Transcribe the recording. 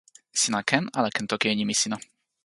sina ken ala ken toki e nimi sina?